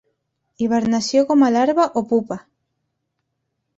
Hibernació com a larva o pupa.